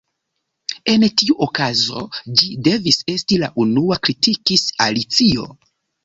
"En tiu okazo, ĝi devis esti la unua," kritikis Alicio.